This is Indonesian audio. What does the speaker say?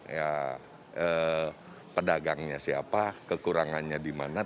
ya pedagangnya siapa kekurangannya di mana